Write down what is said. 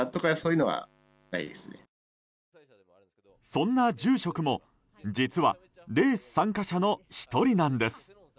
そんな住職も、実はレース参加者の１人なんです。